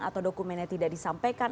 atau dokumennya tidak disampaikan